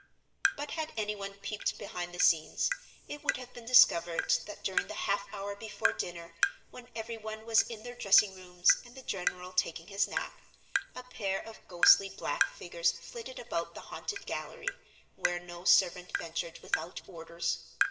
But had any one peeped behind the scenes it would have been discovered that during the half hour before dinner, when everyone was in their dressing rooms and the general taking his nap, a pair of ghostly black figures flitted about the haunted gallery, where no servant ventured without orders.